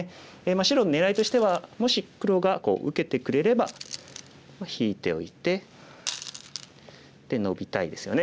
白のねらいとしてはもし黒が受けてくれれば引いておいてノビたいですよね。